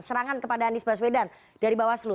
serangan kepada anies baswedan dari bawaslu